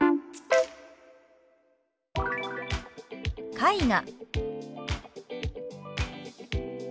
「絵画」。